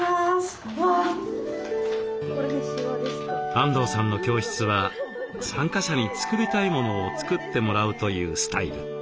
あんどうさんの教室は参加者に作りたいものを作ってもらうというスタイル。